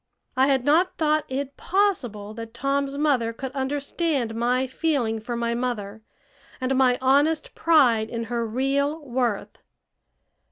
I had not thought it possible that Tom's mother could understand my feeling for my mother and my honest pride in her real worth.